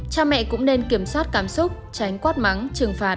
cha mẹ cũng nên kiểm soát cảm xúc tránh quát mắng trừng phạt